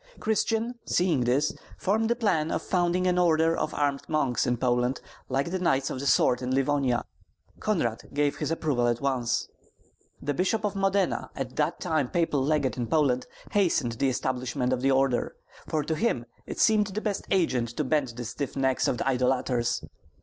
Christian, seeing this, formed the plan of founding an order of armed monks in Poland like the Knights of the Sword in Livonia. Konrad gave his approval at once. The Bishop of Modena, at that time papal legate in Poland, hastened the establishment of the order; for to him it seemed the best agent to bend the stiff necks of idolaters.